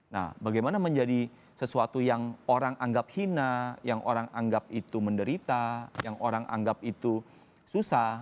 nah bagaimana menjadi sesuatu yang orang anggap hina yang orang anggap itu menderita yang orang anggap itu susah